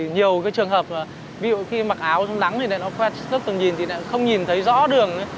nhiều trường hợp ví dụ khi mặc áo chống nắng thì nó khuét tầm nhìn thì không nhìn thấy rõ đường